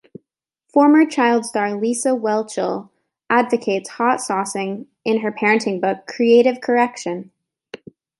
Former child star Lisa Whelchel advocates hot saucing in her parenting book "Creative Correction".